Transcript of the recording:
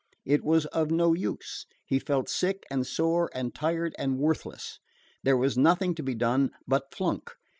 It was of no use. He felt sick and sore and tired and worthless. There was nothing to be done but flunk.